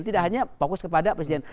tidak hanya fokus kepada presiden